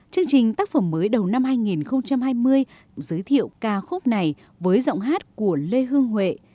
chương trình tác phẩm mới đầu năm hai nghìn hai mươi giới thiệu ca khúc này với giọng hát của lê hương huệ